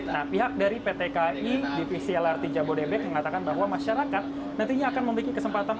nah pihak dari pt kai divisi lrt jabodebek mengatakan bahwa masyarakat nantinya akan memiliki kesempatan